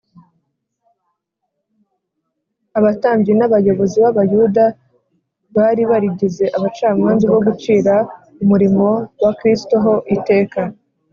Abatambyi n’abayobozi b’Abayuda bari barigize abacamanza bo gucira umurimo wa Kristo ho iteka